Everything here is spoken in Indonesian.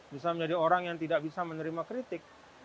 bisa menjadi orang yang tidak bisa menerima kritik